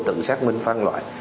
tự xác minh phân loại